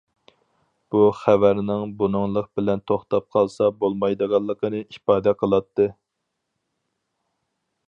بۇ خەۋەرنىڭ بۇنىڭلىق بىلەن توختاپ قالسا بولمايدىغانلىقىنى ئىپادە قىلاتتى.